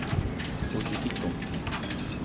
O: djip bitong.